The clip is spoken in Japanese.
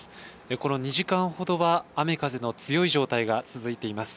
この２時間ほどは雨風の強い状態が続いています。